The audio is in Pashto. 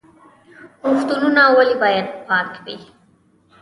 روغتونونه ولې باید پاک وي؟